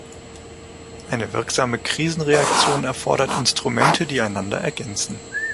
Eine wirksame Krisenreaktion erfordert Instrumente, die einander ergänzen.